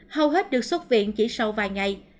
hầu hết được xuất viện chỉ sau vài ngày